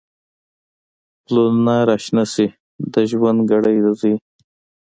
پلونه را شنه شي، د ژرند ګړی د زوی